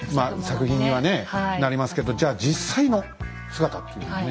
作品にはねなりますけどじゃあ実際の姿っていうのをね。